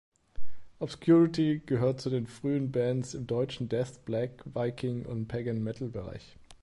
Obscurity gehört zu den frühen Bands im deutschen Death-, Black-, Viking- und Pagan-Metal-Bereich.